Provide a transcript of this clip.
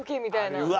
みたいな。